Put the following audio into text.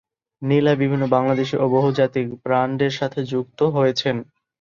নীলা বিভিন্ন বাংলাদেশী ও বহুজাতিক ব্রান্ডের সাথে যুক্ত হয়েছেন।